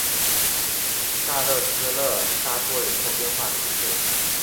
萨勒斯勒沙托人口变化图示